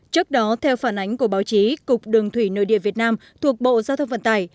trước đó theo phản ánh của báo chí cục đường thủy nội địa việt nam thuộc bộ giao thông vận tải